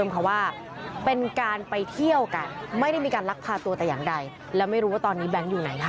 เชียวกันไม่ได้มีการลักพาตัวแต่ยังไงแล้วไม่รู้ตอนนี้แบงค์อยู่ไหนค่ะ